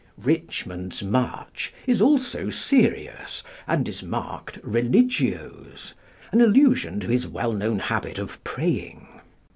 "Richmond's March" is also serious, and is marked "religiose," an allusion to his well known habit of praying!